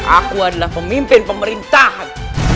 aku adalah pemimpin pemerintahan